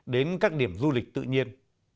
đến các điểm du lịch tự nhiên